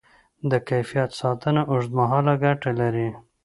د کیفیت ساتنه اوږدمهاله ګټه لري.